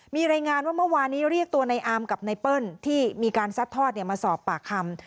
มีรายงานว่าเมื่อวานี้เรียกตัวในอามกับไนเปิ้ลที่มีการซัดทอดมาสอบปากคำ